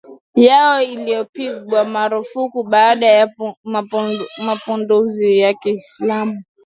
yao ilipigwa marufuku baada ya mapinduzi ya Kiislamu